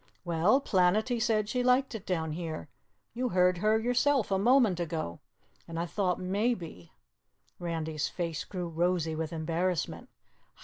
"Well, Planetty said she liked it down here, you heard her yourself a moment ago, and I thought maybe " Randy's face grew rosy with embarrassment.